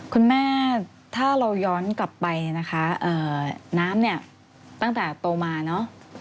คุณแม่ถ้าเราย้อนกลับไปนะคะน้ำเนี่ยตั้งแต่โตมาเนอะ